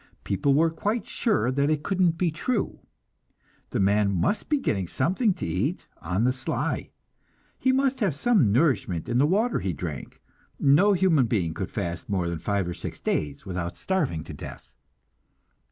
People were quite sure that it couldn't be true. The man must be getting something to eat on the sly; he must have some nourishment in the water he drank; no human being could fast more than five or six days without starving to death.